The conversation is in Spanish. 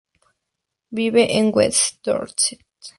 Vive en West Dorset.